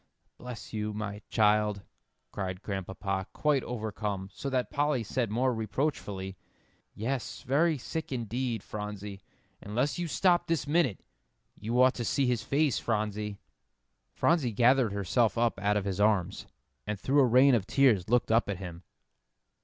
"Bless you, my child," cried Grandpapa, quite overcome, so that Polly said more reproachfully, "Yes, very sick indeed, Phronsie, unless you stop this minute. You ought to see his face, Phronsie." Phronsie gathered herself up out of his arms, and through a rain of tears looked up at him.